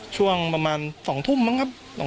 ช่วงประมาณ๒ทุ่มมั่งครับ๒ทุ่ม